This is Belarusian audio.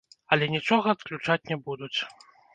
Але нічога адключаць не будуць!